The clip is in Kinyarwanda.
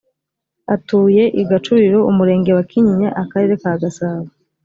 atuye i gacuriro umurenge wa kinyinya akarere ka gasabo